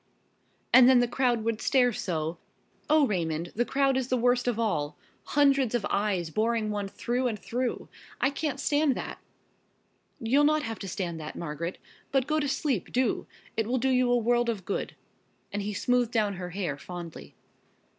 And then the crowd would stare so! Oh, Raymond, the crowd is the worst of all! Hundreds of eyes boring one through and through! I can't stand that!" "You'll not have to stand that, Margaret. But go to sleep, do! It will do you a world of good," and he smoothed down her hair fondly.